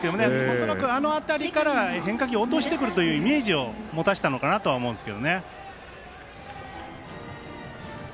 恐らく、あの辺りから変化球を落としてくるというイメージを持たせたのかなとは思うんですけどね。